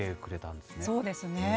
そうですね。